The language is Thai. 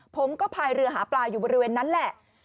พายเรือหาปลาอยู่บริเวณนั้นแหละ